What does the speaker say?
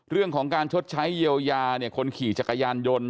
เรื่องของการชดใช้เยียวยาคนขี่จักรยานยนต์